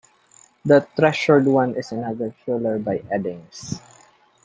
The Treasured One is another thriller by Eddings.